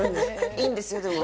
いいんですよでも。